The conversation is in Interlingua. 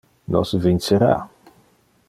Nos vincera.